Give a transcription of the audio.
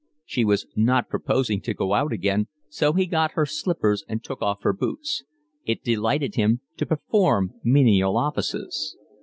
She was not proposing to go out again, so he got her slippers and took off her boots. It delighted him to perform menial offices.